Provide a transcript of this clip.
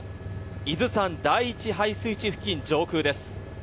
伊豆山第一配水池付近上空です。